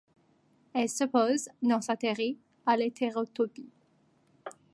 Elle s'oppose, dans sa théorie, à l'hétérotopie.